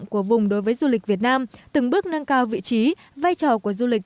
của vùng đối với du lịch việt nam từng bước nâng cao vị trí vai trò của du lịch